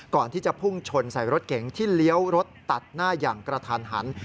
ก่อนที่จะพุ่งชนใส่รถเก๋งที่เลี้ยวรถตัดหน้าอย่างกระทันหัน